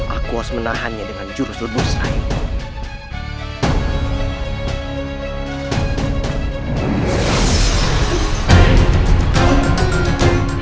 aku harus menahannya dengan jurus lebusan